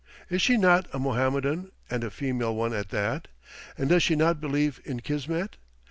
is she not a Mohammedan, and a female one at that? and does she not believe in kismet.